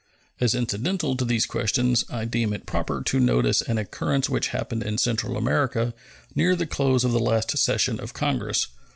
As incidental to these questions, I deem it proper to notice an occurrence which happened in Central America near the close of the last session of Congress.